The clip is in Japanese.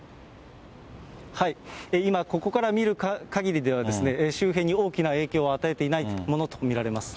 今ここから見るかぎりでは、周辺に大きな影響は与えていないものと見られます。